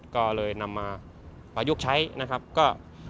ก็เลยนำมาประยุกต์ใช้นะครับก็